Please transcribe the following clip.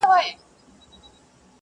لوی واړه به پر سجده ورته پراته وي